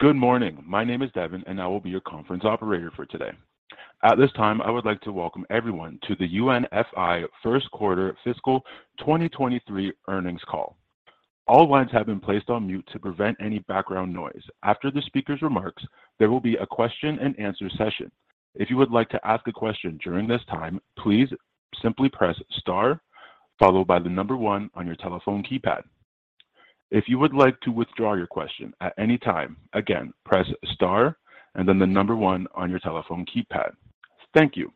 Good morning. My name is Devin, and I will be your conference operator for today. At this time, I would like to welcome everyone to the UNFI first quarter fiscal 2023 earnings call. All lines have been placed on mute to prevent any background noise. After the speaker's remarks, there will be a question-and-answer session. If you would like to ask a question during this time, please simply press star followed by the number one on your telephone keypad. If you would like to withdraw your question at any time, again, press star and then the number one on your telephone keypad. Thank you.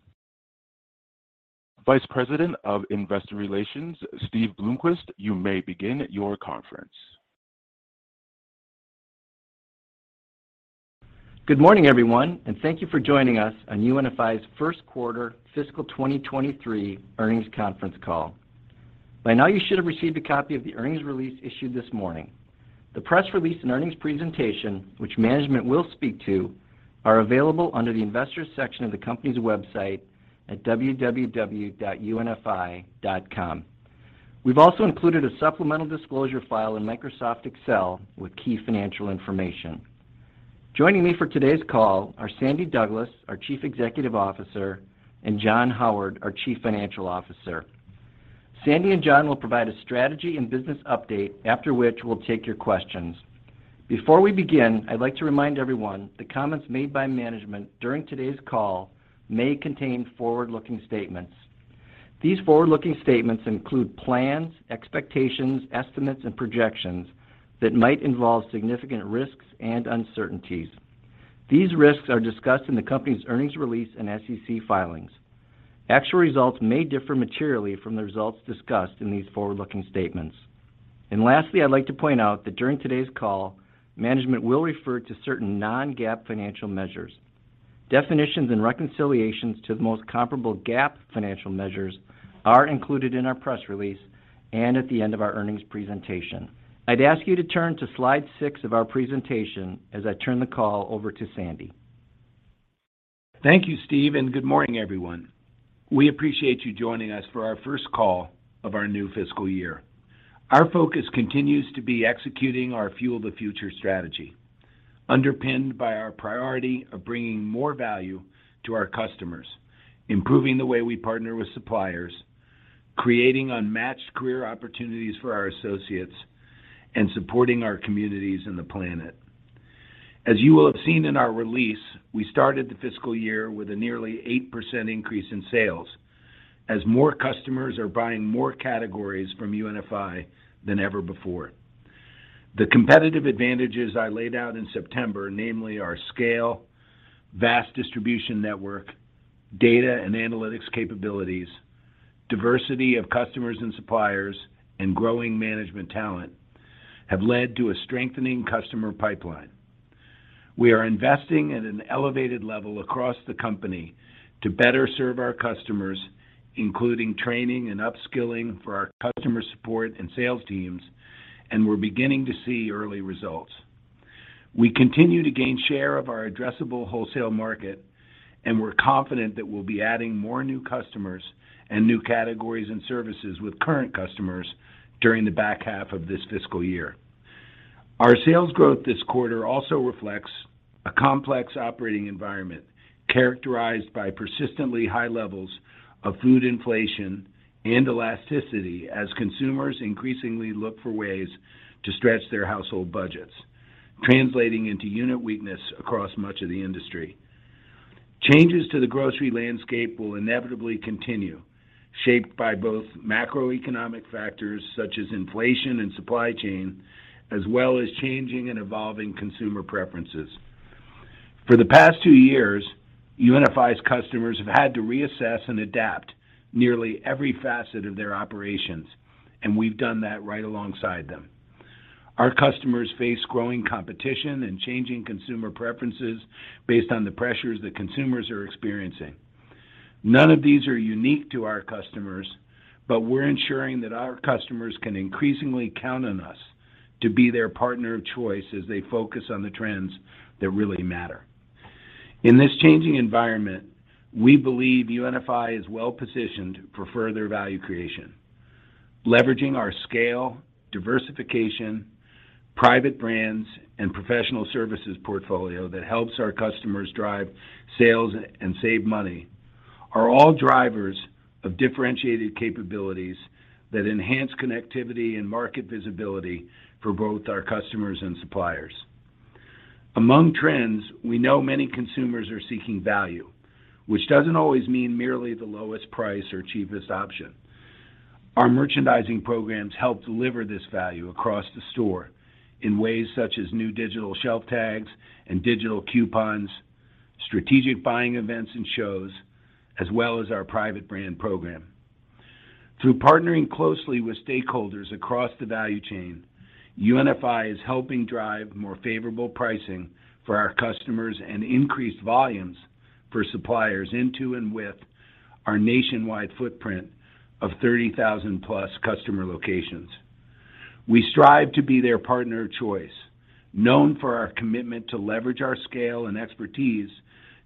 Vice President of Investor Relations, Steve Bloomquist, you may begin your conference. Good morning, everyone, thank you for joining us on UNFI's first quarter fiscal 2023 earnings conference call. By now you should have received a copy of the earnings release issued this morning. The press release and earnings presentation, which management will speak to, are available under the Investors section of the company's website at www.unfi.com. We've also included a supplemental disclosure file in Microsoft Excel with key financial information. Joining me for today's call are Sandy Douglas, our Chief Executive Officer, and John Howard, our Chief Financial Officer. Sandy and John will provide a strategy and business update, after which we'll take your questions. Before we begin, I'd like to remind everyone that comments made by management during today's call may contain forward-looking statements. These forward-looking statements include plans, expectations, estimates, and projections that might involve significant risks and uncertainties. These risks are discussed in the company's earnings release and SEC filings. Actual results may differ materially from the results discussed in these forward-looking statements. Lastly, I'd like to point out that during today's call, management will refer to certain non-GAAP financial measures. Definitions and reconciliations to the most comparable GAAP financial measures are included in our press release and at the end of our earnings presentation. I'd ask you to turn to slide six of our presentation as I turn the call over to Sandy. Thank you, Steve. Good morning, everyone. We appreciate you joining us for our first call of our new fiscal year. Our focus continues to be executing our Fuel the Future strategy, underpinned by our priority of bringing more value to our customers, improving the way we partner with suppliers, creating unmatched career opportunities for our associates, and supporting our communities and the planet. As you will have seen in our release, we started the fiscal year with a nearly 8% increase in sales as more customers are buying more categories from UNFI than ever before. The competitive advantages I laid out in September, namely our scale, vast distribution network, data and analytics capabilities, diversity of customers and suppliers, and growing management talent, have led to a strengthening customer pipeline. We are investing at an elevated level across the company to better serve our customers, including training and upskilling for our customer support and sales teams. We're beginning to see early results. We continue to gain share of our addressable wholesale market. We're confident that we'll be adding more new customers and new categories and services with current customers during the back half of this fiscal year. Our sales growth this quarter also reflects a complex operating environment characterized by persistently high levels of food inflation and elasticity as consumers increasingly look for ways to stretch their household budgets, translating into unit weakness across much of the industry. Changes to the grocery landscape will inevitably continue, shaped by both macroeconomic factors such as inflation and supply chain, as well as changing and evolving consumer preferences. For the past two years, UNFI's customers have had to reassess and adapt nearly every facet of their operations, and we've done that right alongside them. Our customers face growing competition and changing consumer preferences based on the pressures that consumers are experiencing. None of these are unique to our customers, but we're ensuring that our customers can increasingly count on us to be their partner of choice as they focus on the trends that really matter. In this changing environment, we believe UNFI is well-positioned for further value creation. Leveraging our scale, diversification, private brands, and professional services portfolio that helps our customers drive sales and save money are all drivers of differentiated capabilities that enhance connectivity and market visibility for both our customers and suppliers. Among trends, we know many consumers are seeking value, which doesn't always mean merely the lowest price or cheapest option. Our merchandising programs help deliver this value across the store in ways such as new digital shelf tags and digital coupons, strategic buying events and shows, as well as our private brand program. Through partnering closely with stakeholders across the value chain, UNFI is helping drive more favorable pricing for our customers and increased volumes for suppliers into and with our nationwide footprint of 30,000+ customer locations. We strive to be their partner of choice, known for our commitment to leverage our scale and expertise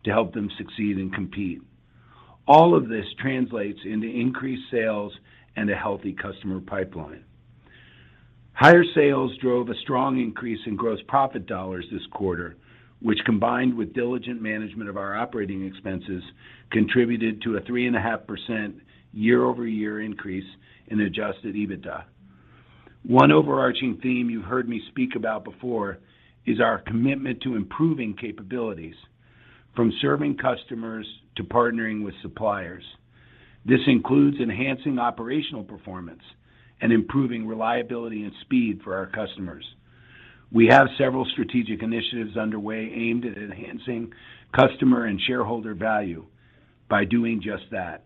to help them succeed and compete. All of this translates into increased sales and a healthy customer pipeline. Higher sales drove a strong increase in gross profit dollars this quarter, which combined with diligent management of our operating expenses, contributed to a 3.5% year-over-year increase in adjusted EBITDA. One overarching theme you've heard me speak about before is our commitment to improving capabilities from serving customers to partnering with suppliers. This includes enhancing operational performance and improving reliability and speed for our customers. We have several strategic initiatives underway aimed at enhancing customer and shareholder value by doing just that.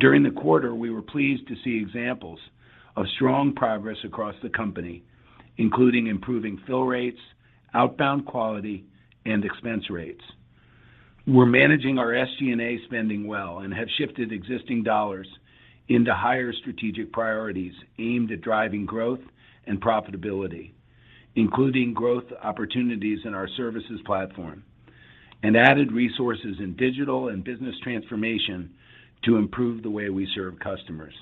During the quarter, we were pleased to see examples of strong progress across the company, including improving fill rates, outbound quality, and expense rates. We're managing our SG&A spending well and have shifted existing dollars into higher strategic priorities aimed at driving growth and profitability, including growth opportunities in our services platform and added resources in digital and business transformation to improve the way we serve customers.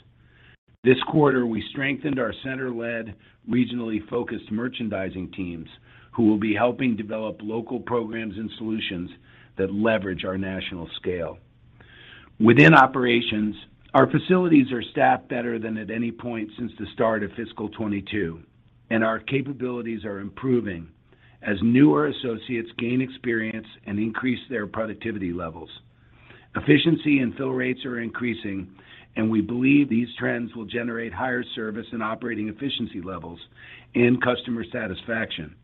This quarter, we strengthened our center-led, regionally focused merchandising teams who will be helping develop local programs and solutions that leverage our national scale. Within operations, our facilities are staffed better than at any point since the start of fiscal 2022. Our capabilities are improving as newer associates gain experience and increase their productivity levels. Efficiency and fill rates are increasing. We believe these trends will generate higher service and operating efficiency levels and customer satisfaction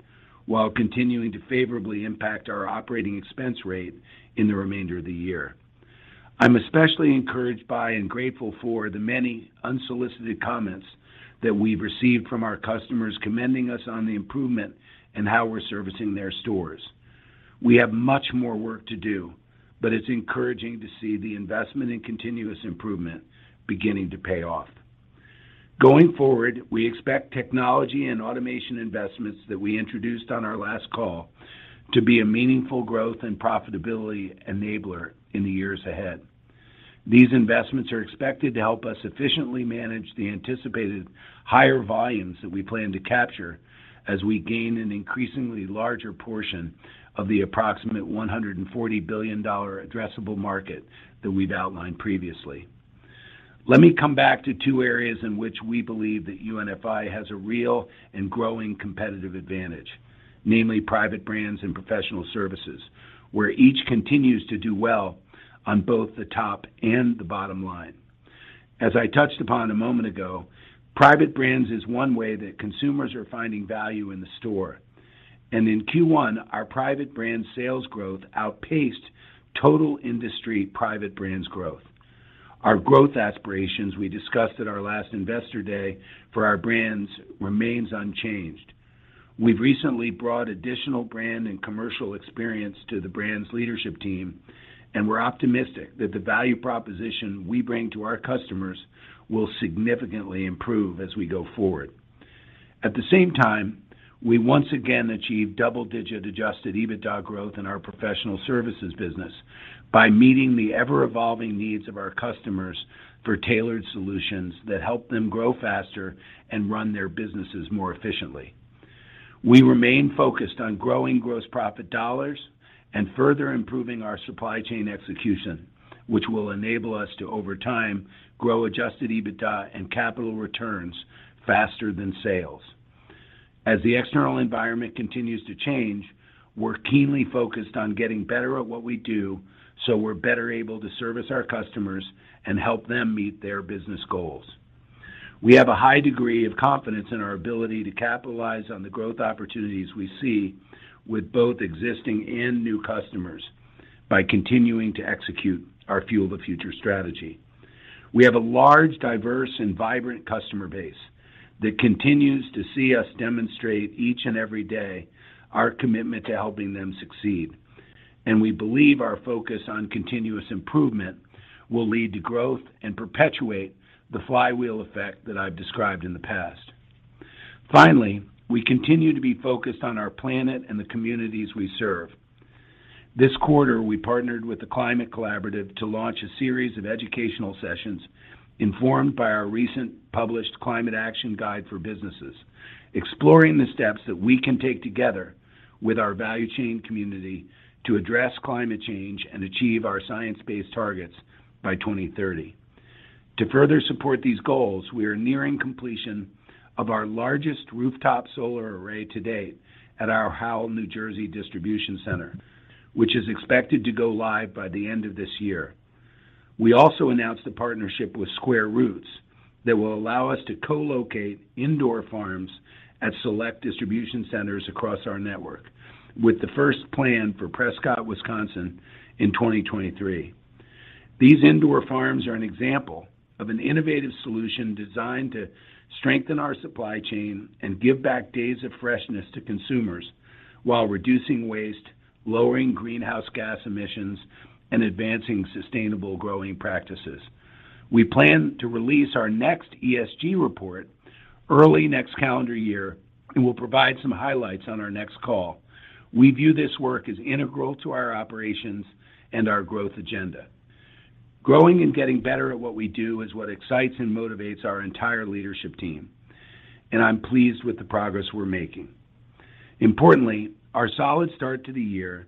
while continuing to favorably impact our operating expense rate in the remainder of the year. I'm especially encouraged by and grateful for the many unsolicited comments that we've received from our customers commending us on the improvement in how we're servicing their stores. We have much more work to do. It's encouraging to see the investment in continuous improvement beginning to pay off. Going forward, we expect technology and automation investments that we introduced on our last call to be a meaningful growth and profitability enabler in the years ahead. These investments are expected to help us efficiently manage the anticipated higher volumes that we plan to capture as we gain an increasingly larger portion of the approximate $140 billion addressable market that we've outlined previously. Let me come back to two areas in which we believe that UNFI has a real and growing competitive advantage, namely Private Brands and Professional Services, where each continues to do well on both the top and the bottom line. As I touched upon a moment ago, private brands is one way that consumers are finding value in the store. In Q1, our Private Brand sales growth outpaced total industry private brands growth. Our growth aspirations we discussed at our last Investor Day for our brands remains unchanged. We've recently brought additional brand and commercial experience to the brands leadership team, and we're optimistic that the value proposition we bring to our customers will significantly improve as we go forward. At the same time, we once again achieved double-digit adjusted EBITDA growth in our Professional Services business by meeting the ever-evolving needs of our customers for tailored solutions that help them grow faster and run their businesses more efficiently. We remain focused on growing gross profit dollars and further improving our supply chain execution, which will enable us to over time grow adjusted EBITDA and capital returns faster than sales. As the external environment continues to change, we're keenly focused on getting better at what we do, so we're better able to service our customers and help them meet their business goals. We have a high degree of confidence in our ability to capitalize on the growth opportunities we see with both existing and new customers by continuing to execute our Fuel the Future strategy. We have a large, diverse, and vibrant customer base that continues to see us demonstrate each and every day our commitment to helping them succeed. We believe our focus on continuous improvement will lead to growth and perpetuate the flywheel effect that I've described in the past. Finally, we continue to be focused on our planet and the communities we serve. This quarter, we partnered with The Climate Collaborative to launch a series of educational sessions informed by our recent published Climate Action Guide for Businesses, exploring the steps that we can take together with our value chain community to address climate change and achieve our science-based targets by 2030. To further support these goals, we are nearing completion of our largest rooftop solar array to date at our Howell, New Jersey, distribution center, which is expected to go live by the end of this year. We also announced a partnership with Square Roots that will allow us to co-locate indoor farms at select distribution centers across our network, with the first planned for Prescott, Wisconsin, in 2023. These indoor farms are an example of an innovative solution designed to strengthen our supply chain and give back days of freshness to consumers while reducing waste, lowering greenhouse gas emissions, and advancing sustainable growing practices. We plan to release our next ESG report early next calendar year. We'll provide some highlights on our next call. We view this work as integral to our operations and our growth agenda. Growing and getting better at what we do is what excites and motivates our entire leadership team, and I'm pleased with the progress we're making. Importantly, our solid start to the year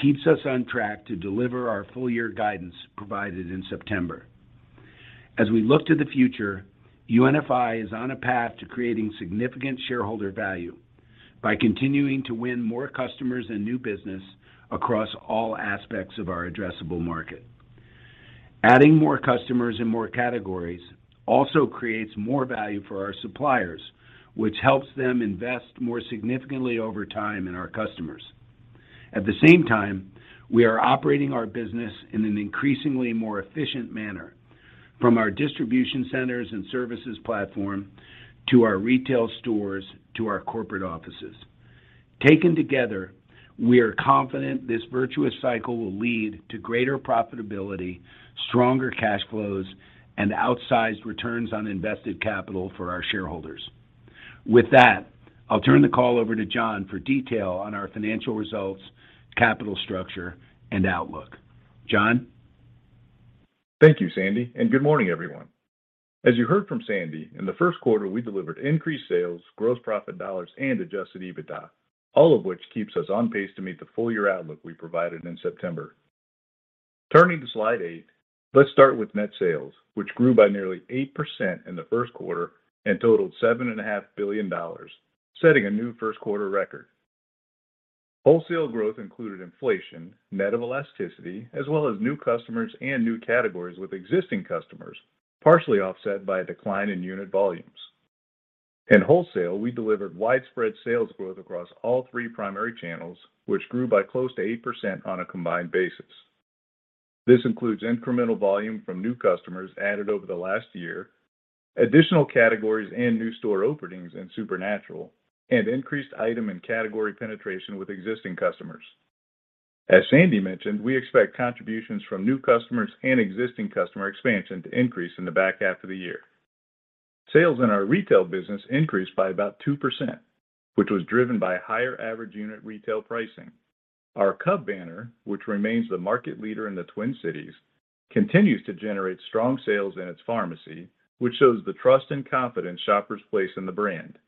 keeps us on track to deliver our full year guidance provided in September. As we look to the future, UNFI is on a path to creating significant shareholder value by continuing to win more customers and new business across all aspects of our addressable market. Adding more customers in more categories also creates more value for our suppliers, which helps them invest more significantly over time in our customers. At the same time, we are operating our business in an increasingly more efficient manner, from our distribution centers and services platform, to our retail stores, to our corporate offices. Taken together, we are confident this virtuous cycle will lead to greater profitability, stronger cash flows, and outsized returns on invested capital for our shareholders. With that, I'll turn the call over to John for detail on our financial results, capital structure, and outlook. John? Thank you, Sandy. Good morning, everyone. As you heard from Sandy, in the first quarter, we delivered increased sales, gross profit dollars and adjusted EBITDA, all of which keeps us on pace to meet the full year outlook we provided in September. Turning to slide eight, let's start with net sales, which grew by nearly 8% in the first quarter and totaled $7.5 billion, setting a new first quarter record. Wholesale growth included inflation, net of elasticity, as well as new customers and new categories with existing customers, partially offset by a decline in unit volumes. In Wholesale, we delivered widespread sales growth across all three primary channels, which grew by close to 8% on a combined basis. This includes incremental volume from new customers added over the last year, additional categories and new store openings in supernatural, and increased item and category penetration with existing customers. As Sandy mentioned, we expect contributions from new customers and existing customer expansion to increase in the back half of the year. Sales in our retail business increased by about 2%, which was driven by higher average unit retail pricing. Our Cub banner, which remains the market leader in the Twin Cities, continues to generate strong sales in its pharmacy, which shows the trust and confidence shoppers place in the brand.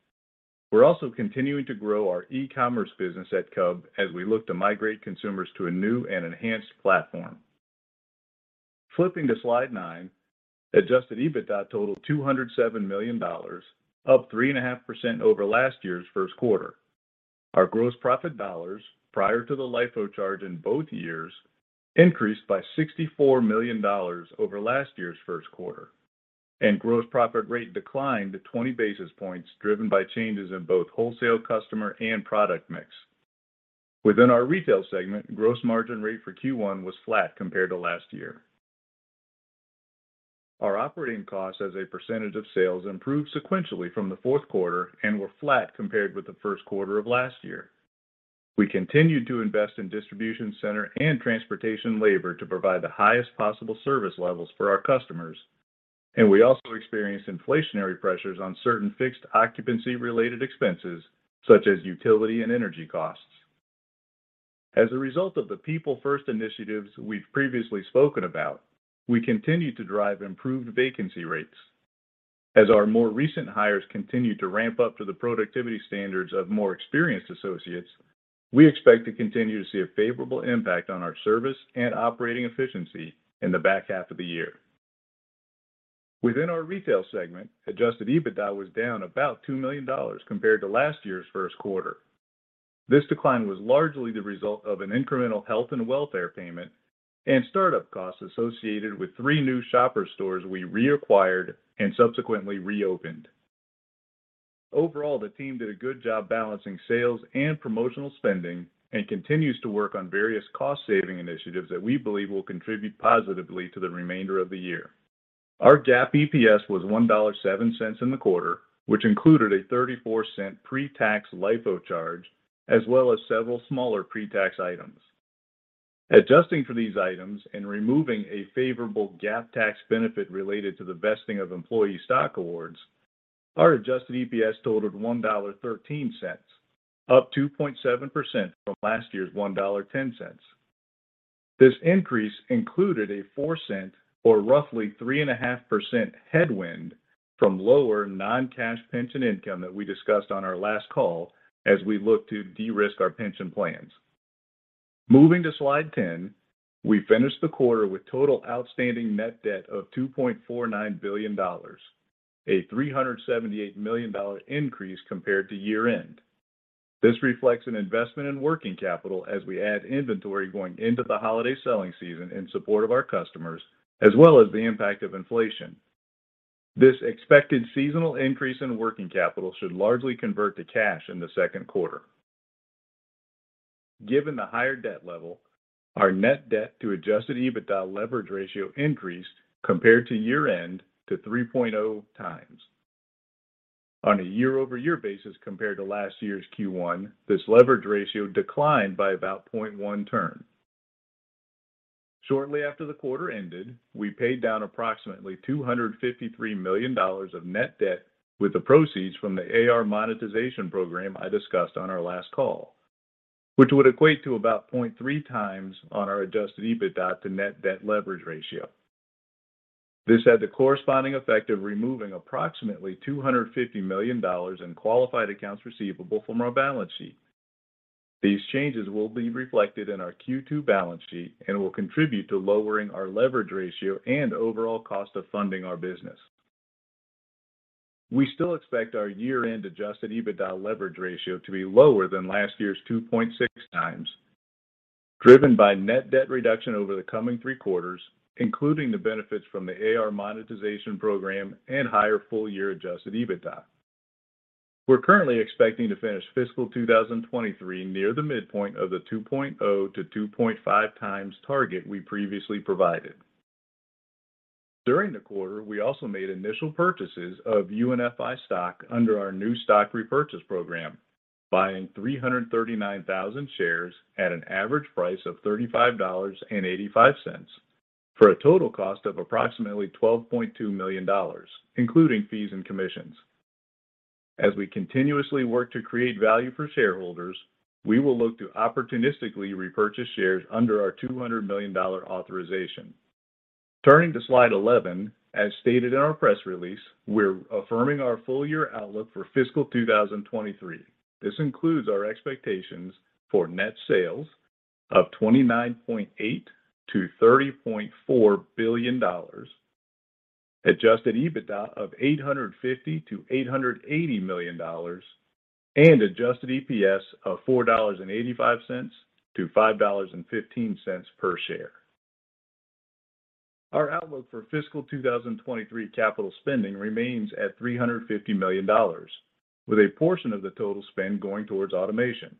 We're also continuing to grow our e-commerce business at Cub as we look to migrate consumers to a new and enhanced platform. Flipping to slide nine, adjusted EBITDA totaled $207 million, up 3.5% over last year's first quarter. Our gross profit dollars, prior to the LIFO charge in both years, increased by $64 million over last year's first quarter, and gross profit rate declined 20 basis points, driven by changes in both wholesale customer and product mix. Within our retail segment, gross margin rate for Q1 was flat compared to last year. Our operating costs as a percentage of sales improved sequentially from the fourth quarter and were flat compared with the first quarter of last year. We continued to invest in distribution center and transportation labor to provide the highest possible service levels for our customers, and we also experienced inflationary pressures on certain fixed occupancy-related expenses, such as utility and energy costs. As a result of the people-first initiatives we've previously spoken about, we continue to drive improved vacancy rates. As our more recent hires continue to ramp up to the productivity standards of more experienced associates, we expect to continue to see a favorable impact on our service and operating efficiency in the back half of the year. Within our retail segment, adjusted EBITDA was down about $2 million compared to last year's first quarter. This decline was largely the result of an incremental health and welfare payment and startup costs associated with three new Shoppers stores we reacquired and subsequently reopened. The team did a good job balancing sales and promotional spending and continues to work on various cost-saving initiatives that we believe will contribute positively to the remainder of the year. Our GAAP EPS was $1.07 in the quarter, which included a $0.34 pre-tax LIFO charge as well as several smaller pre-tax items. Adjusting for these items and removing a favorable GAAP tax benefit related to the vesting of employee stock awards, our adjusted EPS totaled $1.13, up 2.7% from last year's $1.10. This increase included a $0.04 or roughly 3.5% headwind from lower non-cash pension income that we discussed on our last call as we look to de-risk our pension plans. Moving to slide 10, we finished the quarter with total outstanding net debt of $2.49 billion, a $378 million increase compared to year-end. This reflects an investment in working capital as we add inventory going into the holiday selling season in support of our customers, as well as the impact of inflation. This expected seasonal increase in working capital should largely convert to cash in the second quarter. Given the higher debt level, our net debt to adjusted EBITDA leverage ratio increased compared to year-end to 3.0x. On a year-over-year basis compared to last year's Q1, this leverage ratio declined by about 0.1x. Shortly after the quarter ended, we paid down approximately $253 million of net debt with the proceeds from the A/R monetization program I discussed on our last call, which would equate to about 0.3x on our adjusted EBITDA to net debt leverage ratio. This had the corresponding effect of removing approximately $250 million in qualified accounts receivable from our balance sheet. These changes will be reflected in our Q2 balance sheet and will contribute to lowering our leverage ratio and overall cost of funding our business. We still expect our year-end adjusted EBITDA leverage ratio to be lower than last year's 2.6x, driven by net debt reduction over the coming three quarters, including the benefits from the A/R monetization program and higher full-year adjusted EBITDA. We're currently expecting to finish fiscal 2023 near the midpoint of the 2.0x-2.5x target we previously provided. During the quarter, we also made initial purchases of UNFI stock under our new stock repurchase program, buying 339,000 shares at an average price of $35.85 for a total cost of approximately $12.2 million, including fees and commissions. As we continuously work to create value for shareholders, we will look to opportunistically repurchase shares under our $200 million authorization. Turning to slide 11, as stated in our press release, we're affirming our full year outlook for fiscal 2023. This includes our expectations for net sales of $29.8 billion-$30.4 billion, adjusted EBITDA of $850 million-$880 million, and adjusted EPS of $4.85-$5.15 per share. Our outlook for fiscal 2023 capital spending remains at $350 million, with a portion of the total spend going towards automation.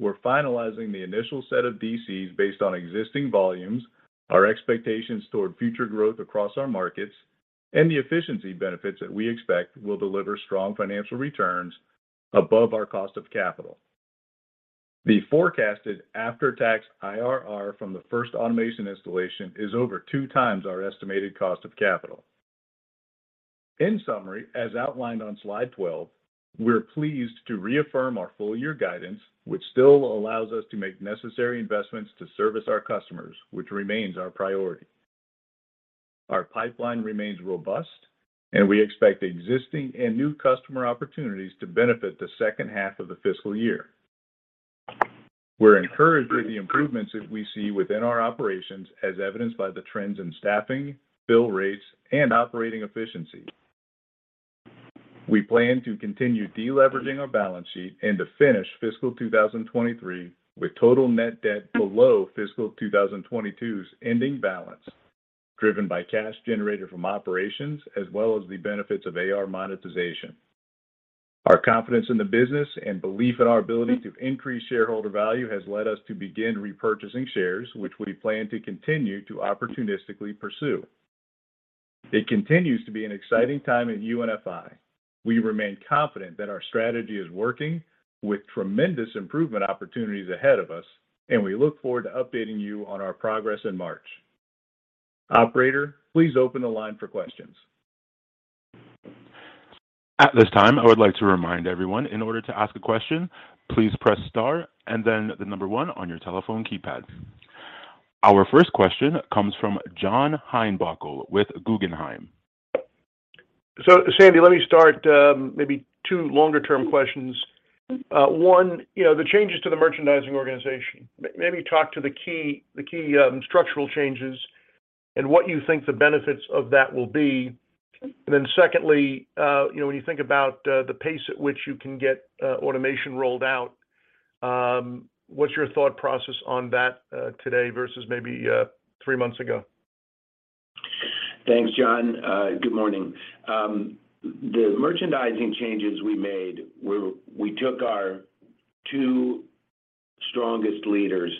We're finalizing the initial set of DCs based on existing volumes, our expectations toward future growth across our markets, and the efficiency benefits that we expect will deliver strong financial returns above our cost of capital. The forecasted after-tax IRR from the first automation installation is over 2x our estimated cost of capital. In summary, as outlined on slide 12, we're pleased to reaffirm our full year guidance, which still allows us to make necessary investments to service our customers, which remains our priority. Our pipeline remains robust, and we expect existing and new customer opportunities to benefit the second half of the fiscal year. We're encouraged with the improvements that we see within our operations as evidenced by the trends in staffing, fill rates, and operating efficiency. We plan to continue deleveraging our balance sheet and to finish fiscal 2023 with total net debt below fiscal 2022's ending balance, driven by cash generated from operations as well as the benefits of A/R monetization. Our confidence in the business and belief in our ability to increase shareholder value has led us to begin repurchasing shares, which we plan to continue to opportunistically pursue. It continues to be an exciting time at UNFI. We remain confident that our strategy is working with tremendous improvement opportunities ahead of us, and we look forward to updating you on our progress in March. Operator, please open the line for questions. At this time, I would like to remind everyone in order to ask a question, please press star and then the number one on your telephone keypad. Our first question comes from John Heinbockel with Guggenheim. Sandy, let me start, maybe two longer-term questions. One, you know, the changes to the merchandising organization. Maybe talk to the key structural changes and what you think the benefits of that will be. Secondly, you know, when you think about the pace at which you can get automation rolled out, what's your thought process on that today versus maybe three months ago? Thanks, John. Good morning. The merchandising changes we made were we took our two strongest leaders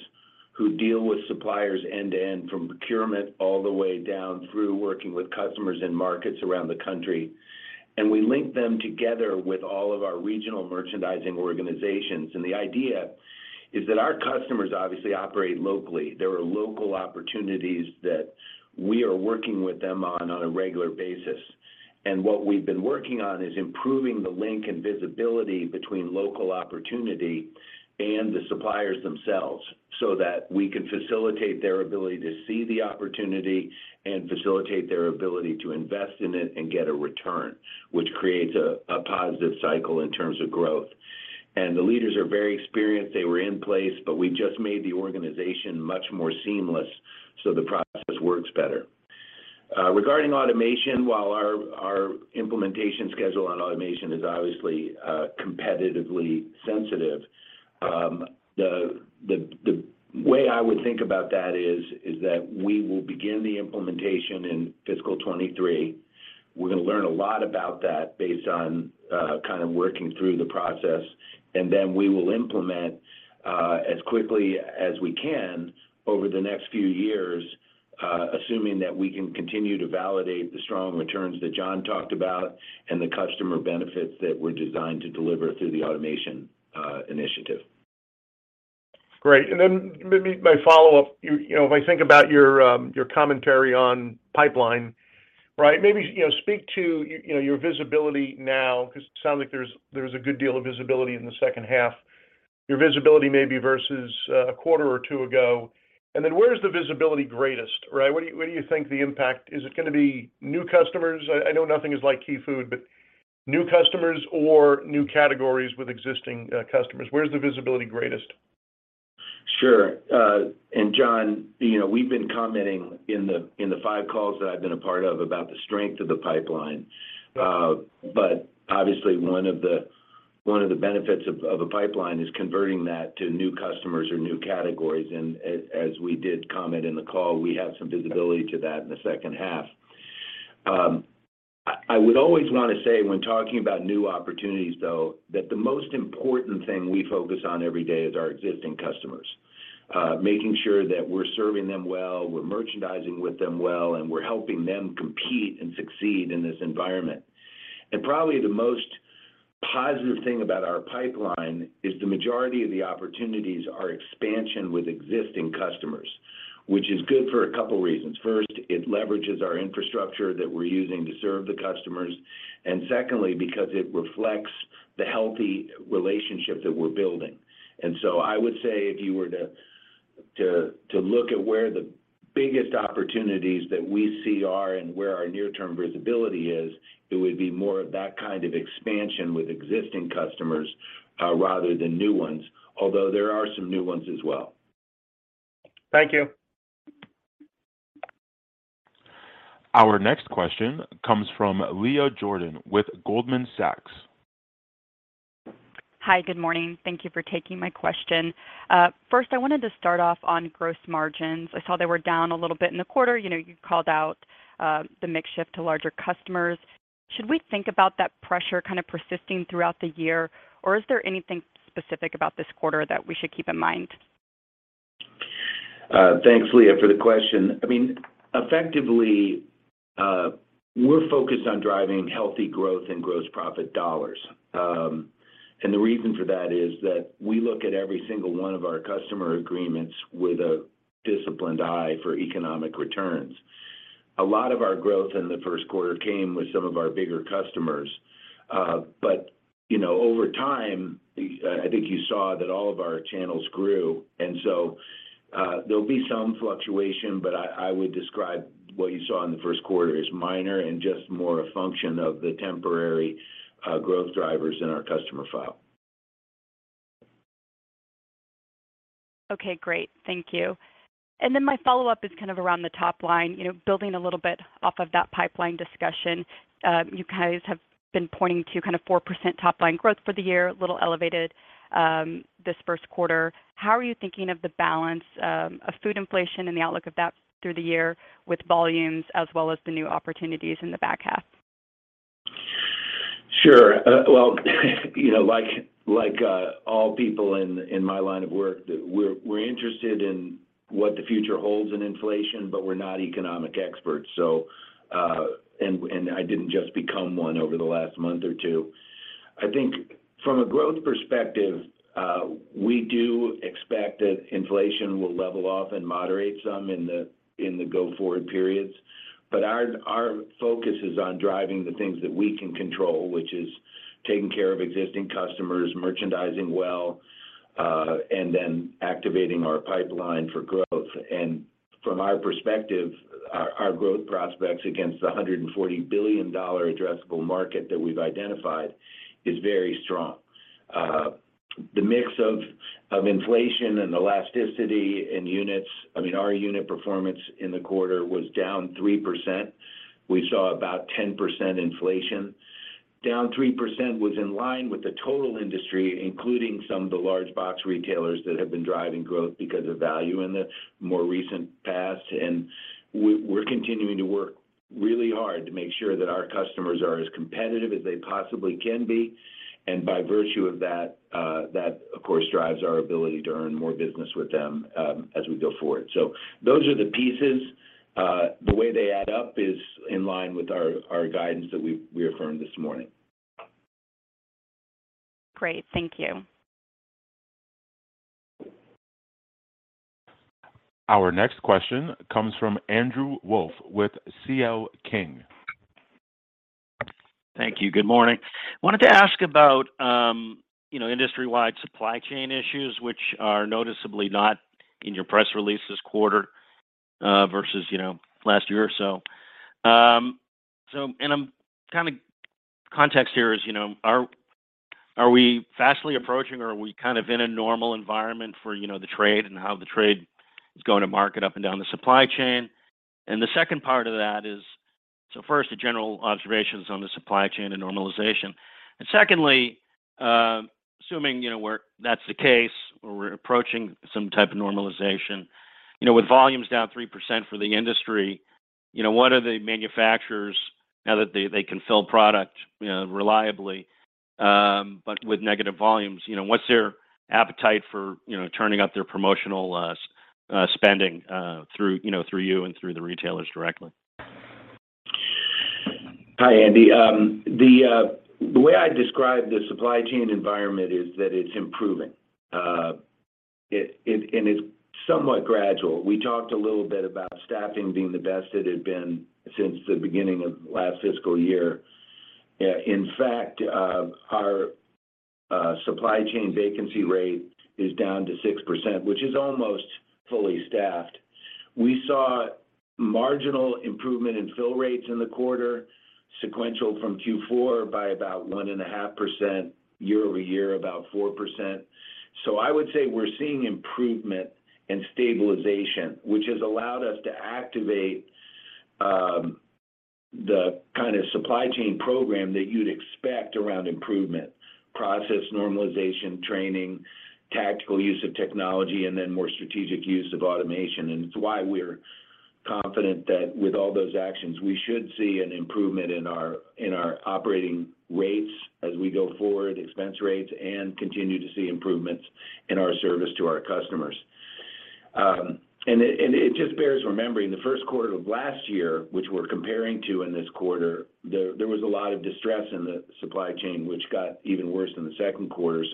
who deal with suppliers end-to-end from procurement all the way down through working with customers in markets around the country. We linked them together with all of our regional merchandising organizations. The idea is that our customers obviously operate locally. There are local opportunities that we are working with them on a regular basis. What we've been working on is improving the link and visibility between local opportunity and the suppliers themselves so that we can facilitate their ability to see the opportunity and facilitate their ability to invest in it and get a return, which creates a positive cycle in terms of growth. The leaders are very experienced. They were in place, but we just made the organization much more seamless, so the process works better. Regarding automation, while our implementation schedule on automation is obviously competitively sensitive, the way I would think about that is that we will begin the implementation in fiscal 2023. We're gonna learn a lot about that based on kind of working through the process, and then we will implement as quickly as we can over the next few years, assuming that we can continue to validate the strong returns that John talked about and the customer benefits that we're designed to deliver through the automation initiative. Great. Maybe my follow-up, you know, if I think about your commentary on pipeline, right? Maybe, you know, speak to your visibility now because it sounds like there's a good deal of visibility in the second half. Your visibility maybe versus a quarter or two ago. Where's the visibility greatest, right? What do you think the impact? Is it gonna be new customers? I know nothing is like Key Food, but new customers or new categories with existing customers. Where's the visibility greatest? Sure. John, you know, we've been commenting in the, in the five calls that I've been a part of about the strength of the pipeline. Obviously one of the, one of the benefits of a pipeline is converting that to new customers or new categories. As we did comment in the call, we have some visibility to that in the second half. I would always wanna say when talking about new opportunities, though, that the most important thing we focus on every day is our existing customers. Making sure that we're serving them well, we're merchandising with them well, and we're helping them compete and succeed in this environment. Probably the most positive thing about our pipeline is the majority of the opportunities are expansion with existing customers, which is good for a couple reasons. First, it leverages our infrastructure that we're using to serve the customers, and secondly, because it reflects the healthy relationship that we're building. I would say if you were to look at where the biggest opportunities that we see are and where our near-term visibility is, it would be more of that kind of expansion with existing customers, rather than new ones, although there are some new ones as well. Thank you. Our next question comes from Leah Jordan with Goldman Sachs. Hi. Good morning. Thank you for taking my question. First I wanted to start off on gross margins. I saw they were down a little bit in the quarter. You know, you called out, the mix shift to larger customers. Should we think about that pressure kind of persisting throughout the year, or is there anything specific about this quarter that we should keep in mind? Thanks, Leah, for the question. I mean, effectively, we're focused on driving healthy growth and gross profit dollars. The reason for that is that we look at every single one of our customer agreements with a disciplined eye for economic returns. A lot of our growth in the first quarter came with some of our bigger customers. But you know, over time, I think you saw that all of our channels grew. And so there'll be some fluctuation, but I would describe what you saw in the first quarter as minor and just more a function of the temporary growth drivers in our customer file. Okay. Great. Thank you. Then my follow-up is kind of around the top-line. You know, building a little bit off of that pipeline discussion, you guys have been pointing to kind of 4% top-line growth for the year, a little elevated, this first quarter. How are you thinking of the balance of food inflation and the outlook of that through the year with volumes as well as the new opportunities in the back half? Sure. Well, you know, like, all people in my line of work, we're interested in what the future holds in inflation, but we're not economic experts, so, and I didn't just become one over the last month or two. I think from a growth perspective, we do expect that inflation will level off and moderate some in the go forward periods, but our focus is on driving the things that we can control, which is taking care of existing customers, merchandising well, and then activating our pipeline for growth. From our perspective, our growth prospects against the $140 billion addressable market that we've identified is very strong. The mix of inflation and elasticity in units, I mean, our unit performance in the quarter was down 3%. We saw about 10% inflation. Down 3% was in line with the total industry, including some of the large box retailers that have been driving growth because of value in the more recent past. We're continuing to work really hard to make sure that our customers are as competitive as they possibly can be. By virtue of that of course drives our ability to earn more business with them as we go forward. Those are the pieces. The way they add up is in line with our guidance that we affirmed this morning. Great. Thank you. Our next question comes from Andrew Wolf with C.L. King. Thank you. Good morning. Wanted to ask about, you know, industry-wide supply chain issues, which are noticeably not in your press release this quarter, versus, you know, last year or so. Kind of context here is, you know, are we fastly approaching or are we kind of in a normal environment for, you know, the trade and how the trade is going to market up and down the supply chain? The second part of that is first, the general observations on the supply chain and normalization. Secondly, assuming, you know, that's the case or we're approaching some type of normalization, you know, with volumes down 3% for the industry. You know, what are the manufacturers now that they can sell product, you know, reliably, but with negative volumes. You know, what's their appetite for, you know, turning up their promotional spending, through, you know, through you and through the retailers directly? Hi, Andy. The way I describe the supply chain environment is that it's improving. It, and it's somewhat gradual. We talked a little bit about staffing being the best it had been since the beginning of last fiscal year. In fact, our supply chain vacancy rate is down to 6%, which is almost fully staffed. We saw marginal improvement in fill rates in the quarter, sequential from Q4 by about 1.5%, year-over-year about 4%. I would say we're seeing improvement and stabilization, which has allowed us to activate the kind of supply chain program that you'd expect around improvement. Process normalization, training, tactical use of technology, and then more strategic use of automation. It's why we're confident that with all those actions, we should see an improvement in our, in our operating rates as we go forward, expense rates, and continue to see improvements in our service to our customers. It just bears remembering the first quarter of last year, which we're comparing to in this quarter, there was a lot of distress in the supply chain, which got even worse in the second quarter.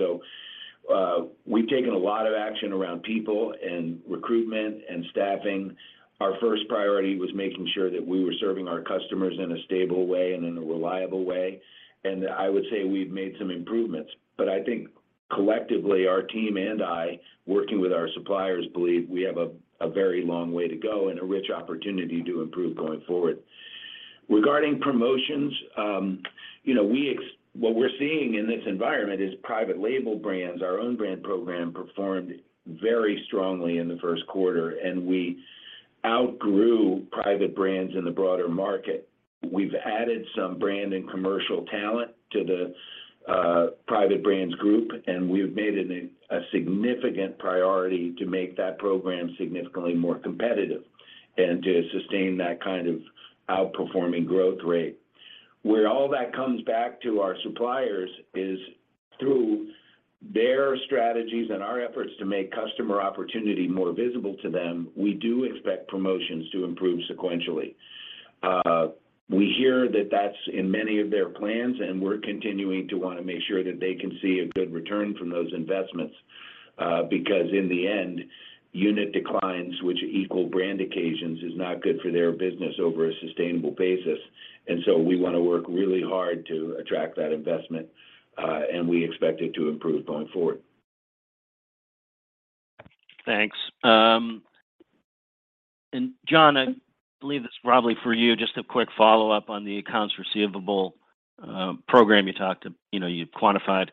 We've taken a lot of action around people and recruitment and staffing. Our first priority was making sure that we were serving our customers in a stable way and in a reliable way, and I would say we've made some improvements. I think collectively, our team and I, working with our suppliers, believe we have a very long way to go and a rich opportunity to improve going forward. Regarding promotions, you know, what we're seeing in this environment is private label brands. Our own brand program performed very strongly in the first quarter, and we outgrew private brands in the broader market. We've added some brand and commercial talent to the private brands group, and we've made it a significant priority to make that program significantly more competitive and to sustain that kind of outperforming growth rate. Where all that comes back to our suppliers is through their strategies and our efforts to make customer opportunity more visible to them, we do expect promotions to improve sequentially. We hear that that's in many of their plans, and we're continuing to wanna make sure that they can see a good return from those investments. Because in the end, unit declines, which equal brand occasions, is not good for their business over a sustainable basis. We wanna work really hard to attract that investment, and we expect it to improve going forward. Thanks. John, I believe this is probably for you. Just a quick follow-up on the accounts receivable program you know, you quantified.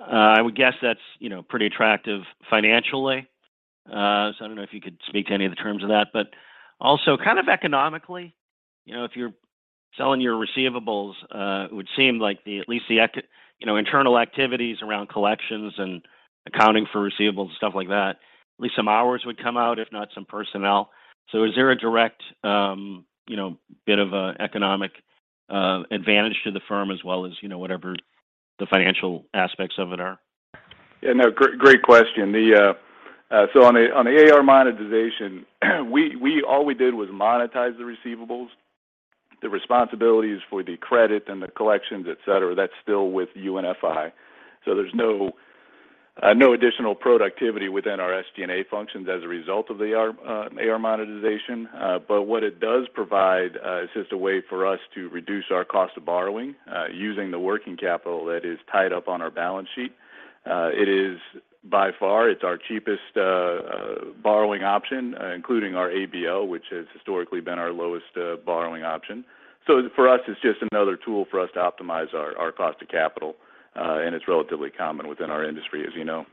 I would guess that's, you know, pretty attractive financially. I don't know if you could speak to any of the terms of that. Also kind of economically, you know, if you're selling your receivables, it would seem like the, at least, you know, internal activities around collections and accounting for receivables and stuff like that, at least some hours would come out, if not some personnel. Is there a direct, you know, bit of a economic advantage to the firm as well as, you know, whatever the financial aspects of it are? Yeah, no, great question. On the A/R monetization, we all we did was monetize the receivables. The responsibilities for the credit and the collections, et cetera, that's still with UNFI. There's no additional productivity within our SG&A functions as a result of the A/R monetization. What it does provide is just a way for us to reduce our cost of borrowing using the working capital that is tied up on our balance sheet. It is by far, it's our cheapest borrowing option, including our ABL, which has historically been our lowest borrowing option. For us, it's just another tool for us to optimize our cost to capital and it's relatively common within our industry, as you know.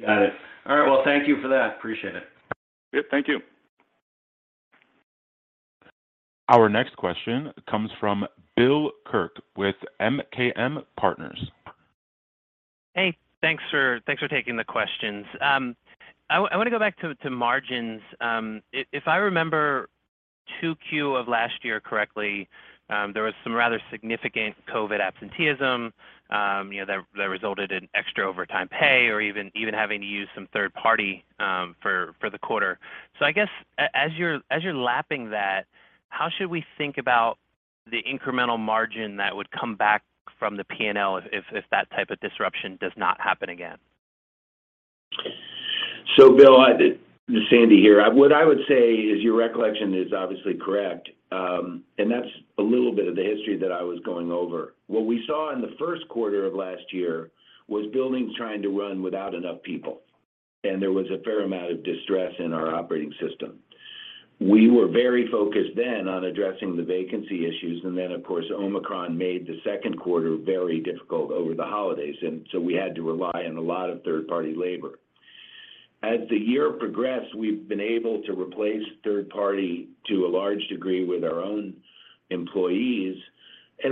Got it. All right. Well, thank you for that. Appreciate it. Yep, thank you. Our next question comes from Bill Kirk with MKM Partners. Hey, thanks for taking the questions. I wanna go back to margins. If I remember 2Q of last year correctly, there was some rather significant COVID absenteeism, you know, that resulted in extra overtime pay or even having to use some third party for the quarter. I guess as you're lapping that, how should we think about the incremental margin that would come back from the P&L if that type of disruption does not happen again? Bill, this is Sandy here. What I would say is your recollection is obviously correct. That's a little bit of the history that I was going over. What we saw in the first quarter of last year was buildings trying to run without enough people, and there was a fair amount of distress in our operating system. We were very focused then on addressing the vacancy issues, and then of course, Omicron made the second quarter very difficult over the holidays, and so we had to rely on a lot of third-party labor. As the year progressed, we've been able to replace third party to a large degree with our own employees.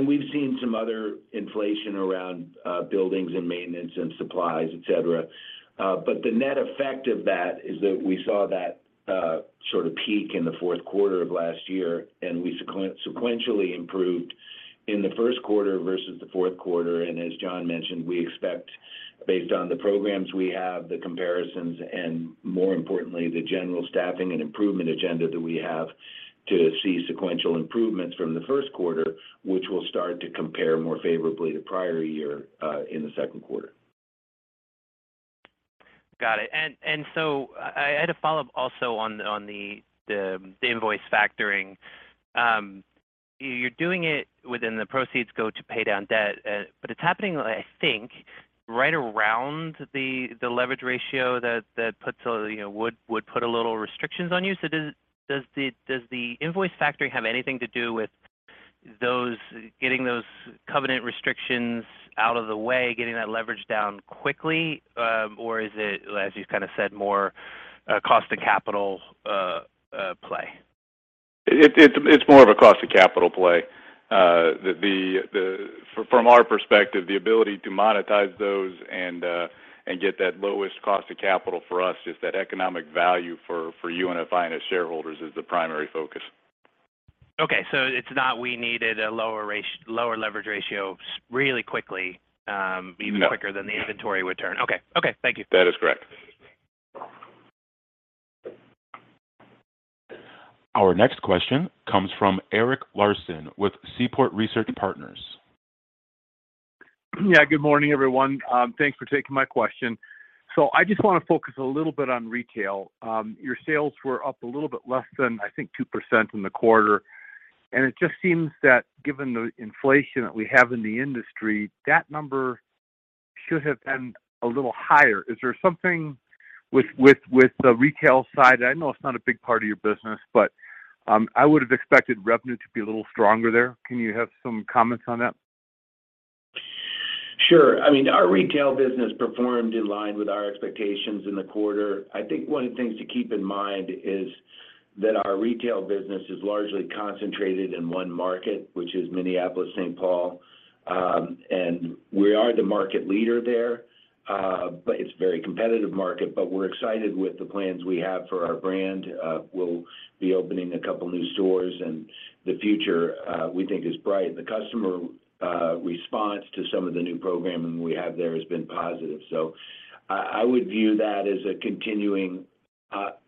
We've seen some other inflation around buildings and maintenance and supplies, et cetera. The net effect of that is that we saw that, sort of peak in the fourth quarter of last year, and we sequentially improved in the first quarter versus the fourth quarter. As John mentioned, we expect based on the programs we have, the comparisons, and more importantly, the general staffing and improvement agenda that we have to see sequential improvements from the first quarter, which will start to compare more favorably to prior year, in the second quarter. Got it. I had a follow-up also on the invoice factoring. You're doing it within the proceeds go to pay down debt, but it's happening, I think, right around the leverage ratio that puts a little restrictions on you. Does the invoice factoring have anything to do with those getting those covenant restrictions out of the way, getting that leverage down quickly? Or is it, as you kind of said, more a cost to capital, play? It's more of a cost to capital play. From our perspective, the ability to monetize those and get that lowest cost to capital for us is that economic value for UNFI and its shareholders is the primary focus. Okay, it's not we needed a lower leverage ratio really quickly. No. Even quicker than the inventory would turn. Okay. Okay. Thank you. That is correct. Our next question comes from Eric Larson with Seaport Research Partners. Yeah, good morning, everyone. Thanks for taking my question. I just wanna focus a little bit on retail. Your sales were up a little bit less than, I think, 2% in the quarter. It just seems that given the inflation that we have in the industry, that number should have been a little higher. Is there something with the retail side? I know it's not a big part of your business, but, I would have expected revenue to be a little stronger there. Can you have some comments on that? Sure. I mean, our retail business performed in line with our expectations in the quarter. I think one of the things to keep in mind is that our retail business is largely concentrated in one market, which is Minneapolis-St. Paul. We are the market leader there, but it's a very competitive market. We're excited with the plans we have for our brand. We'll be opening a couple new stores, and the future, we think is bright. The customer response to some of the new programming we have there has been positive. I would view that as a continuing,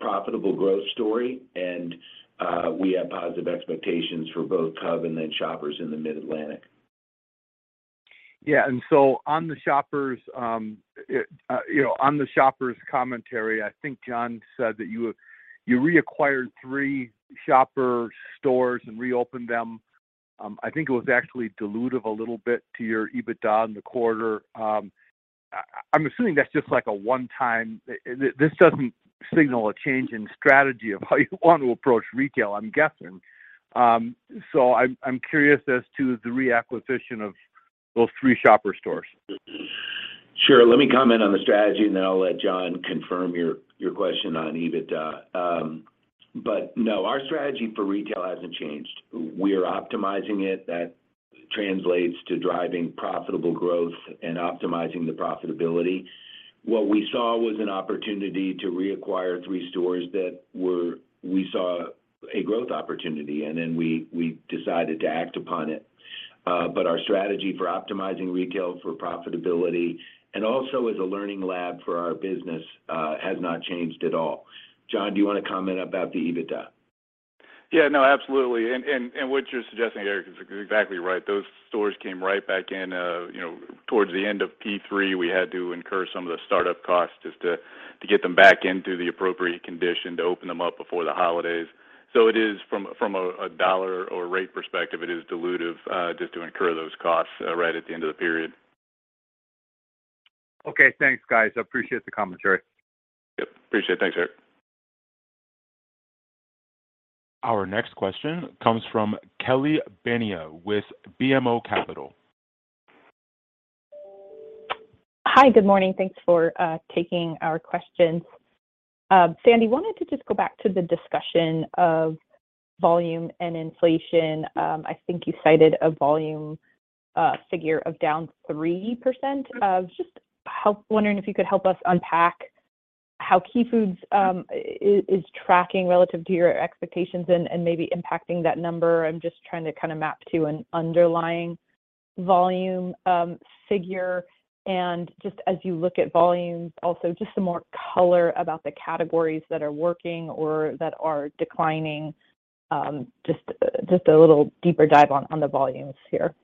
profitable growth story. We have positive expectations for both Cub and then Shoppers in the Mid-Atlantic. Yeah. On the Shoppers, you know, on the Shoppers commentary, I think John said that you reacquired three Shoppers stores and reopened them. I think it was actually dilutive a little bit to your EBITDA in the quarter. I'm assuming that's just like a one-time. This doesn't signal a change in strategy of how you want to approach retail, I'm guessing. I'm curious as to the reacquisition of those three Shoppers stores. Sure. Let me comment on the strategy, and then I'll let John confirm your question on EBITDA. No, our strategy for retail hasn't changed. We're optimizing it. That translates to driving profitable growth and optimizing the profitability. What we saw was an opportunity to reacquire three stores we saw a growth opportunity, and then we decided to act upon it. Our strategy for optimizing retail for profitability and also as a learning lab for our business has not changed at all. John, do you wanna comment about the EBITDA? Yeah. No, absolutely. What you're suggesting, Eric, is exactly right. Those stores came right back in, you know, towards the end of Q3. We had to incur some of the startup costs just to get them back into the appropriate condition to open them up before the holidays. It is from a dollar or rate perspective, it is dilutive, just to incur those costs, right at the end of the period. Okay. Thanks, guys. I appreciate the commentary. Yep. Appreciate it. Thanks, Eric. Our next question comes from Kelly Bania with BMO Capital. Hi. Good morning. Thanks for taking our questions. Sandy, wanted to just go back to the discussion of volume and inflation. I think you cited a volume figure of down 3%. Just wondering if you could help us unpack how Key Food is tracking relative to your expectations and maybe impacting that number. I'm just trying to kinda map to an underlying volume figure. Just as you look at volumes also, just some more color about the categories that are working or that are declining. Just a little deeper dive on the volumes here.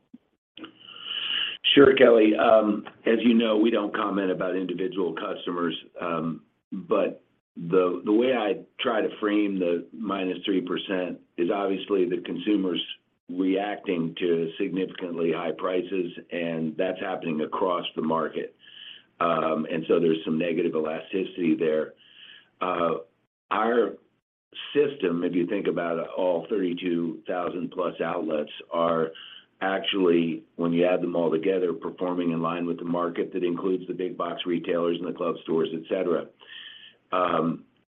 Sure, Kelly. As you know, we don't comment about individual customers. The way I try to frame the -3% is obviously the consumer's reacting to significantly high prices, and that's happening across the market. There's some negative elasticity there. Our system, if you think about all 32,000+ outlets are actually, when you add them all together, performing in line with the market that includes the big box retailers and the Club stores, et cetera.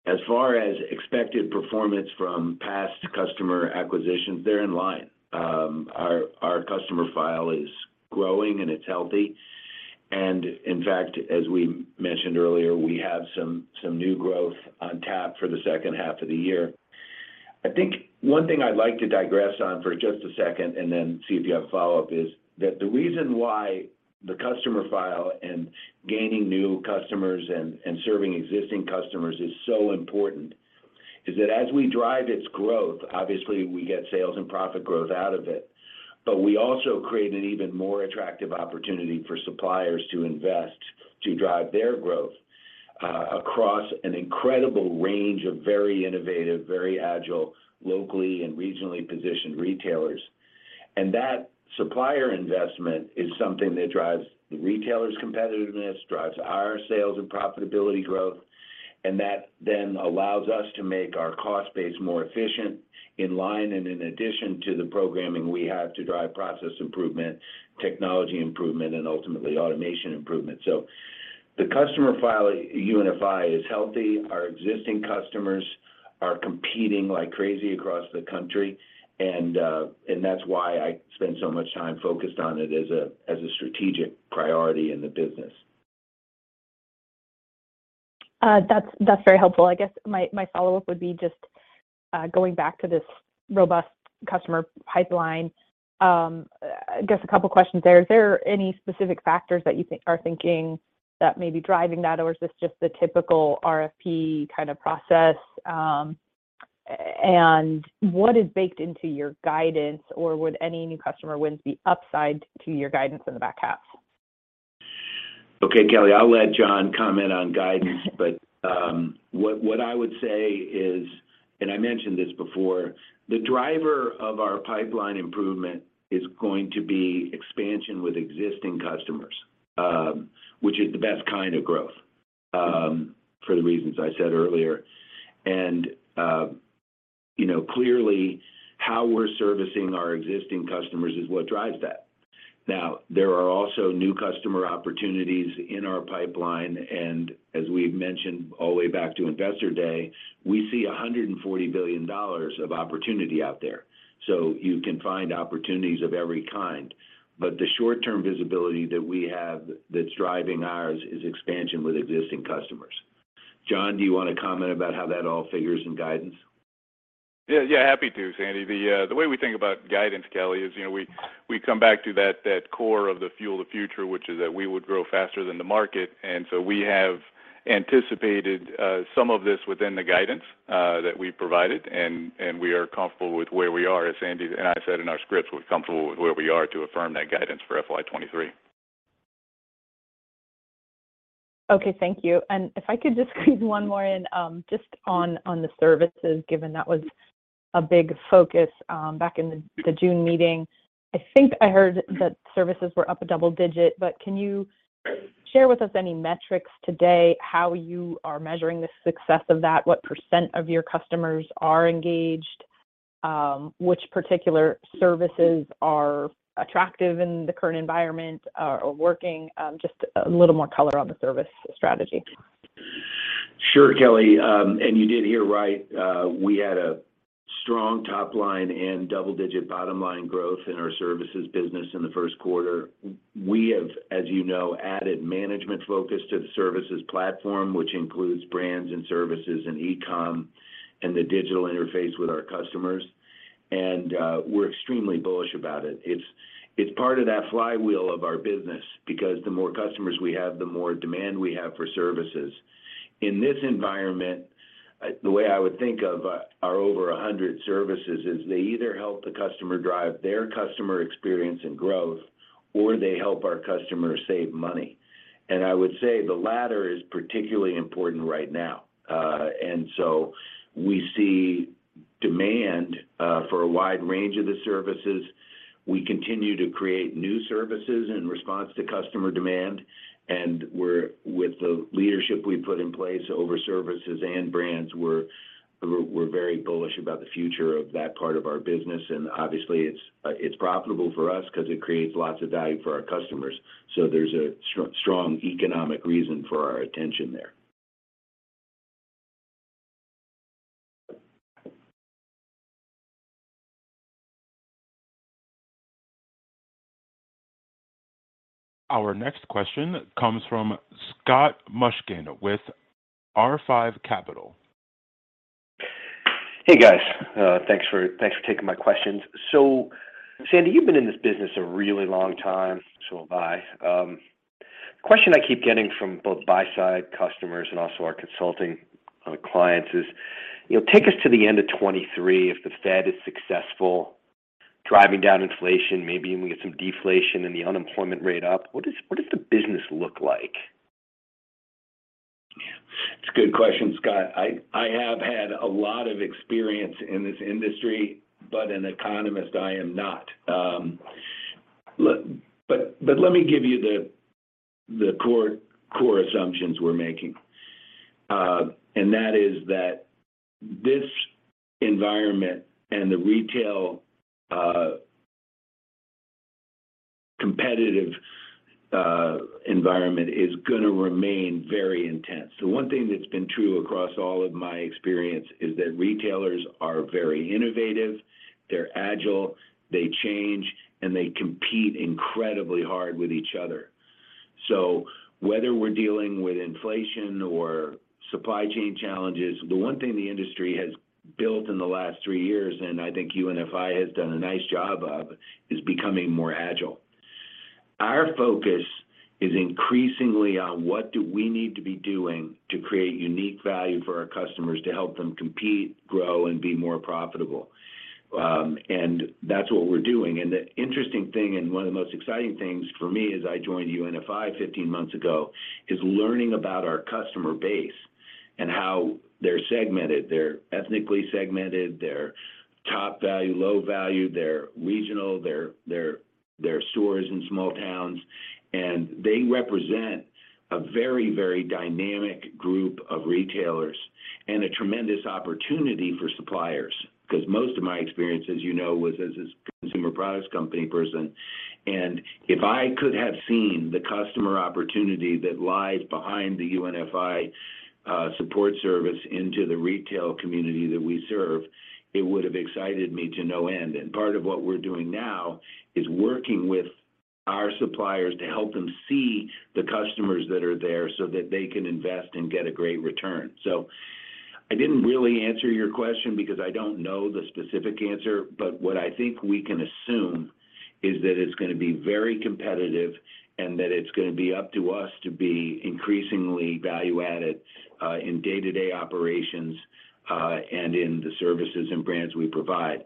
As far as expected performance from past customer acquisitions, they're in line. Our customer file is growing and it's healthy. In fact, as we mentioned earlier, we have some new growth on tap for the second half of the year. I think one thing I'd like to digress on for just a second and then see if you have follow-up is that the reason why the customer file and gaining new customers and serving existing customers is so important is that as we drive its growth, obviously we get sales and profit growth out of it, but we also create an even more attractive opportunity for suppliers to invest to drive their growth, across an incredible range of very innovative, very agile, locally and regionally positioned retailers. That supplier investment is something that drives the retailer's competitiveness, drives our sales and profitability growth, and that then allows us to make our cost base more efficient in line and in addition to the programming we have to drive process improvement, technology improvement, and ultimately automation improvement. The customer file at UNFI is healthy. Our existing customers are competing like crazy across the country, and that's why I spend so much time focused on it as a strategic priority in the business. That's, that's very helpful. I guess my follow-up would be just going back to this robust customer pipeline. I guess a couple questions there. Is there any specific factors that are thinking that may be driving that or is this just the typical RFP kind of process? What is baked into your guidance or would any new customer wins be upside to your guidance in the back half? Okay, Kelly, I'll let John comment on guidance. But what I would say is, and I mentioned this before, the driver of our pipeline improvement is going to be expansion with existing customers, which is the best kind of growth for the reasons I said earlier. You know, clearly how we're servicing our existing customers is what drives that. There are also new customer opportunities in our pipeline, and as we've mentioned all the way back to Investor Day, we see $140 billion of opportunity out there. You can find opportunities of every kind. The short-term visibility that we have that's driving ours is expansion with existing customers. John, do you want to comment about how that all figures in guidance? Yeah. Yeah, happy to, Sandy. The way we think about guidance, Kelly, is, you know, we come back to that core of the Fuel the Future, which is that we would grow faster than the market. We have anticipated some of this within the guidance that we provided and we are comfortable with where we are. As Sandy and I said in our scripts, we're comfortable with where we are to affirm that guidance for FY 2023. Okay. Thank you. If I could just squeeze one more in, just on the services given that was a big focus, back in the June meeting. I think I heard that services were up a double digit, but can you share with us any metrics today how you are measuring the success of that? What percent of your customers are engaged? Which particular services are attractive in the current environment or working? Just a little more color on the service strategy. Sure, Kelly. You did hear right. We had a strong top line and double-digit bottom line growth in our services business in the first quarter. We have, as you know, added management focus to the services platform, which includes brands and services and e-com and the digital interface with our customers. We're extremely bullish about it. It's, it's part of that flywheel of our business because the more customers we have, the more demand we have for services. In this environment, the way I would think of our over 100 services is they either help the customer drive their customer experience and growth or they help our customers save money. I would say the latter is particularly important right now. We see demand for a wide range of the services. We continue to create new services in response to customer demand, with the leadership we've put in place over services and brands, we're very bullish about the future of that part of our business. Obviously it's profitable for us 'cause it creates lots of value for our customers. There's a strong economic reason for our attention there. Our next question comes from Scott Mushkin with R5 Capital. Hey, guys. thanks for taking my questions. Sandy, you've been in this business a really long time, so have I. The question I keep getting from both buy side customers and also our consulting clients is, you know, take us to the end of 2023 if the Fed is successful driving down inflation, maybe even we get some deflation and the unemployment rate up, what does the business look like? It's a good question, Scott. I have had a lot of experience in this industry, an economist I am not. Look, let me give you the core assumptions we're making, and that is that this environment and the retail competitive environment is gonna remain very intense. The one thing that's been true across all of my experience is that retailers are very innovative, they're agile, they change, and they compete incredibly hard with each other. Whether we're dealing with inflation or supply chain challenges, the one thing the industry has built in the last three years, and I think UNFI has done a nice job of, is becoming more agile. Our focus is increasingly on what do we need to be doing to create unique value for our customers to help them compete, grow, and be more profitable. That's what we're doing. The interesting thing, and one of the most exciting things for me as I joined UNFI 15 months ago, is learning about our customer base and how they're segmented. They're ethnically segmented, they're top value, low value, they're regional, they're stores in small towns, and they represent a very, very dynamic group of retailers and a tremendous opportunity for suppliers. 'Cause most of my experience, as you know, was as a consumer products company person. If I could have seen the customer opportunity that lies behind the UNFI support service into the retail community that we serve, it would have excited me to no end. Part of what we're doing now is working with our suppliers to help them see the customers that are there so that they can invest and get a great return. I didn't really answer your question because I don't know the specific answer, but what I think we can assume is that it's gonna be very competitive and that it's gonna be up to us to be increasingly value-added in day-to-day operations and in the services and brands we provide.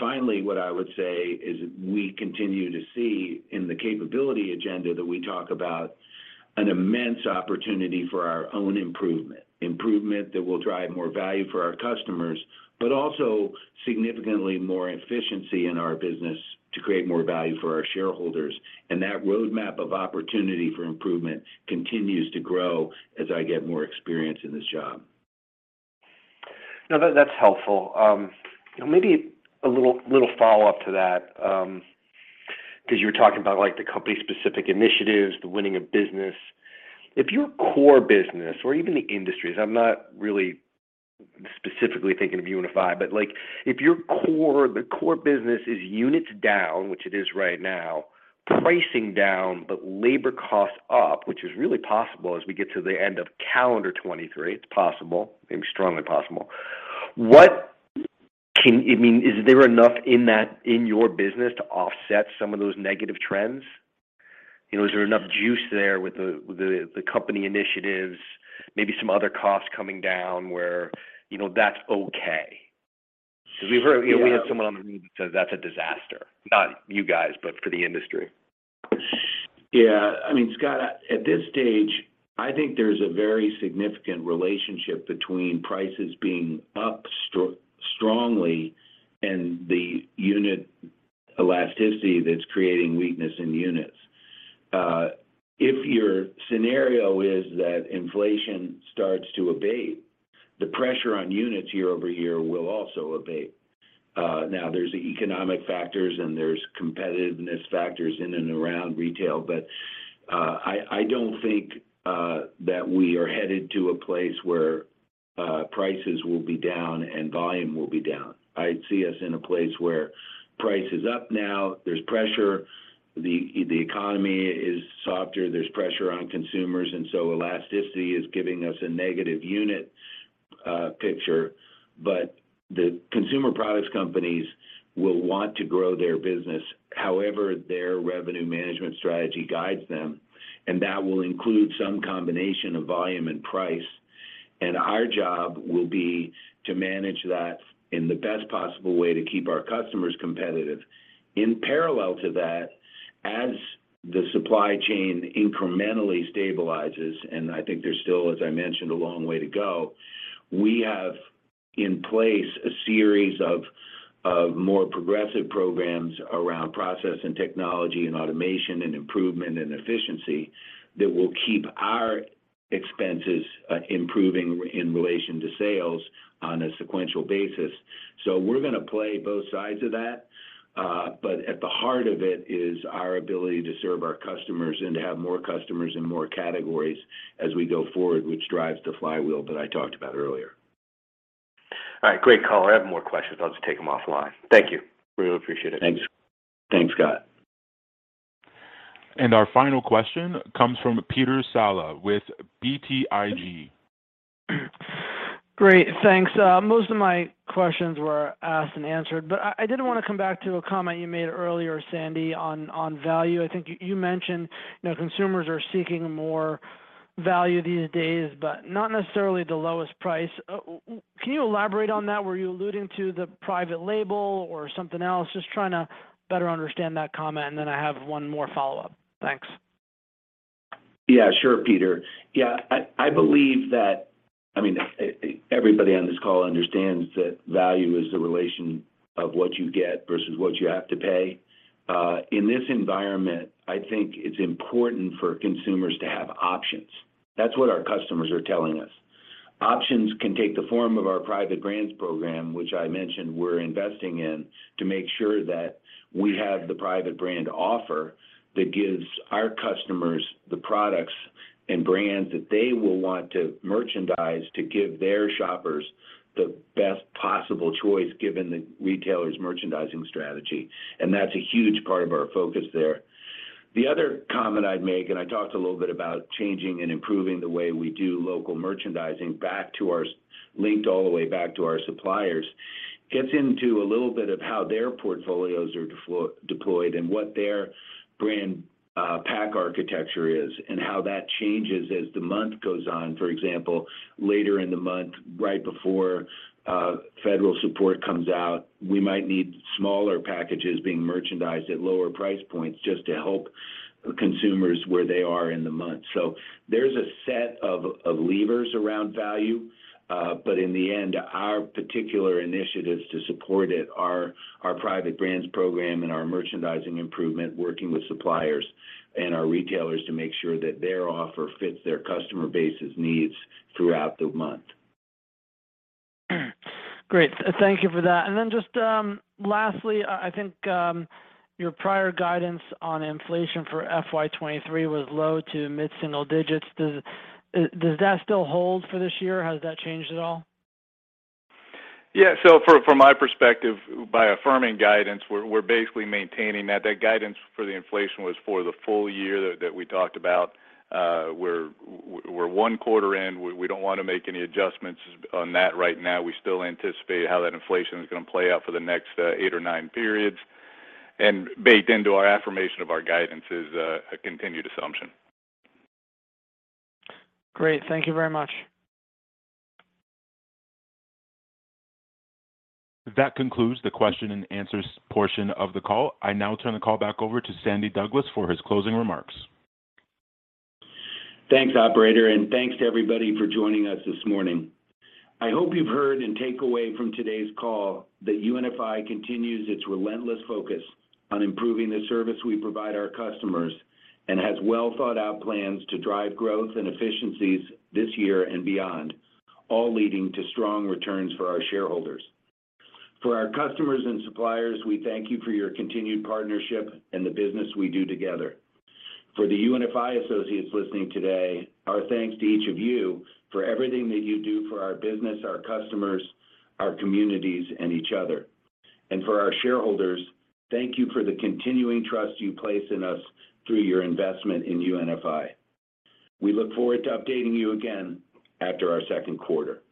Finally, what I would say is we continue to see in the capability agenda that we talk about an immense opportunity for our own improvement. Improvement that will drive more value for our customers, but also significantly more efficiency in our business to create more value for our shareholders. That roadmap of opportunity for improvement continues to grow as I get more experience in this job. No, that's helpful. Maybe a little follow-up to that, 'cause you're talking about like the company specific initiatives, the winning of business. If your core business or even the industries, I'm not really specifically thinking of UNFI, but like if your core, the core business is units down, which it is right now, pricing down, but labor costs up, which is really possible as we get to the end of calendar 2023. It's possible, maybe strongly possible. I mean, is there enough in that, in your business to offset some of those negative trends? You know, is there enough juice there with the company initiatives, maybe some other costs coming down where, you know, that's okay? 'Cause we've heard- Yeah. You know, we have someone on the meeting says that's a disaster. Not you guys, but for the industry. Yeah. I mean, Scott, at this stage, I think there's a very significant relationship between prices being up strongly and the unit elasticity that's creating weakness in units. If your scenario is that inflation starts to abate, the pressure on units year-over-year will also abate. Now there's the economic factors and there's competitiveness factors in and around retail, I don't think that we are headed to a place where prices will be down and volume will be down. I'd see us in a place where price is up now, there's pressure, the economy is softer, there's pressure on consumers, elasticity is giving us a negative unit picture. The consumer products companies will want to grow their business however their revenue management strategy guides them, and that will include some combination of volume and price. Our job will be to manage that in the best possible way to keep our customers competitive. In parallel to that, as the supply chain incrementally stabilizes, and I think there's still, as I mentioned, a long way to go, we have in place a series of more progressive programs around process and technology and automation and improvement and efficiency that will keep our expenses improving in relation to sales on a sequential basis. We're gonna play both sides of that, but at the heart of it is our ability to serve our customers and to have more customers in more categories as we go forward, which drives the flywheel that I talked about earlier. All right. Great call. I have more questions. I'll just take them offline. Thank you. Really appreciate it. Thanks. Thanks, Scott. Our final question comes from Peter Saleh with BTIG. Great. Thanks. Most of my questions were asked and answered, but I did wanna come back to a comment you made earlier, Sandy, on value. I think you mentioned, you know, consumers are seeking more value these days, but not necessarily the lowest price. Can you elaborate on that? Were you alluding to the private label or something else? Just trying to better understand that comment, and then I have one more follow-up. Thanks. Yeah, sure, Peter. Yeah, I believe that, I mean, everybody on this call understands that value is the relation of what you get versus what you have to pay. In this environment, I think it's important for consumers to have options. That's what our customers are telling us. Options can take the form of our Private Brands program, which I mentioned we're investing in to make sure that we have the private brand offer that gives our customers the products and brands that they will want to merchandise to give their shoppers the best possible choice, given the retailer's merchandising strategy. That's a huge part of our focus there. The other comment I'd make, I talked a little bit about changing and improving the way we do local merchandising linked all the way back to our suppliers, gets into a little bit of how their portfolios are deployed and what their brand pack architecture is and how that changes as the month goes on. For example, later in the month, right before federal support comes out, we might need smaller packages being merchandised at lower price points just to help consumers where they are in the month. There's a set of levers around value, but in the end, our particular initiatives to support it are our private brands program and our merchandising improvement, working with suppliers and our retailers to make sure that their offer fits their customer base's needs throughout the month. Great. Thank you for that. Then just, lastly, I think, your prior guidance on inflation for FY 2023 was low to mid-single digits. Does that still hold for this year? Has that changed at all? From my perspective, by affirming guidance, we're basically maintaining that. That guidance for the inflation was for the full year that we talked about. We're one quarter in. We don't wanna make any adjustments on that right now. We still anticipate how that inflation is gonna play out for the next eight or nine periods. Baked into our affirmation of our guidance is a continued assumption. Great. Thank you very much. That concludes the question and answers portion of the call. I now turn the call back over to Sandy Douglas for his closing remarks. Thanks, operator. Thanks to everybody for joining us this morning. I hope you've heard and take away from today's call that UNFI continues its relentless focus on improving the service we provide our customers and has well thought out plans to drive growth and efficiencies this year and beyond, all leading to strong returns for our shareholders. For our customers and suppliers, we thank you for your continued partnership and the business we do together. For the UNFI associates listening today, our thanks to each of you for everything that you do for our business, our customers, our communities, and each other. For our shareholders, thank you for the continuing trust you place in us through your investment in UNFI. We look forward to updating you again after our second quarter.